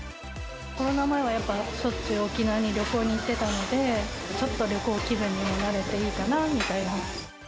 コロナ前は、しょっちゅう沖縄に旅行に行ってたので、ちょっと旅行気分になれていいかなみたいな。